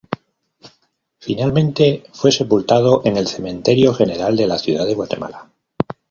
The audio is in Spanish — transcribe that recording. Finalmente, fue sepultado en el Cementerio General de la Ciudad de Guatemala.